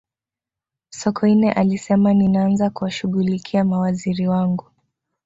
sokoine alisema ninaanza kuwashughulikia mawaziri wangu